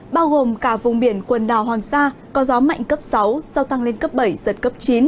bao gồm cả vùng biển quần đảo hoàng sa có gió mạnh cấp sáu sau tăng lên cấp bảy giật cấp chín